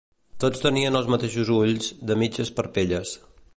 Tots tenien els mateixos ulls, de mitges parpelles